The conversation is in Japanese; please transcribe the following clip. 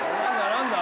何だ？